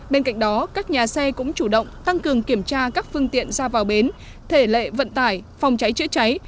bên cạnh đó các nhà xe cũng chủ động tăng cường kiểm tra các phương tiện ra vào bến thể lệ vận tải phòng cháy chữa cháy